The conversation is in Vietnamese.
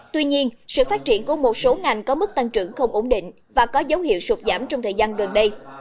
tuy nhiên sự phát triển của một số ngành có mức tăng trưởng không ổn định và có dấu hiệu sụt giảm trong thời gian gần đây